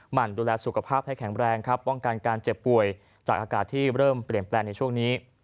มันดูแลสุขภาพให้แข็งแรงครับป้องกันการเจ็บป่วยจากอากาศที่เริ่มเปลี่ยนแปลงในช่วงนี้